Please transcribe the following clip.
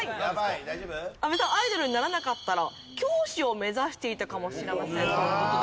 阿部さんアイドルにならなかったら教師を目指していたかもしれませんとの事で。